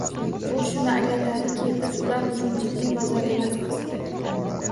Bu shuni anglatadiki, biz ular uchun jiddiy bozor emasmiz